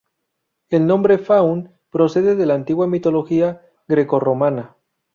El nombre "Faun" procede de la antigua mitología grecorromana.